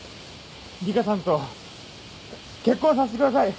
リカさんと結婚させてください。